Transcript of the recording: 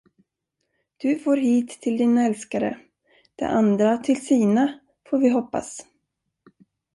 Du for hit till din älskare, de andra till sina, får vi hoppas.